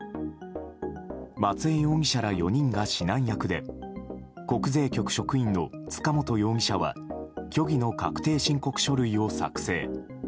松江容疑者ら４人が指南役で国税局職員の塚本容疑者は虚偽の確定申告書類を作成。